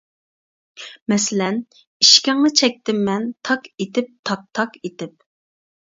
مەسىلەن: ئىشىكىڭنى چەكتىم مەن، تاك ئېتىپ، تاك-تاك ئېتىپ.